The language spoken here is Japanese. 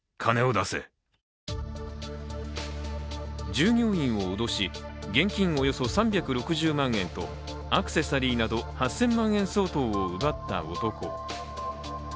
従業員を脅し、現金およそ３６０万円とアクセサリーなど８０００万円相当を奪った男。